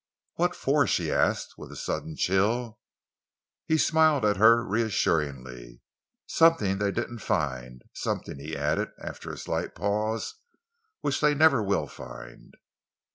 "What for?" she asked, with a sudden chill. He smiled at her reassuringly. "Something they didn't find! Something," he added, after a slight pause, "which they never will find!"